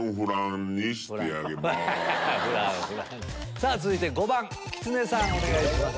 さぁ続いて５番キツネさんお願いします。